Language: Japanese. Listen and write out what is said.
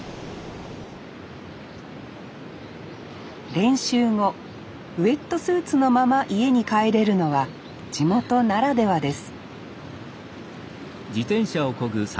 練習後ウエットスーツのまま家に帰れるのは地元ならではです